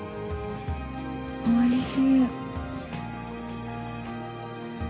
おいしい。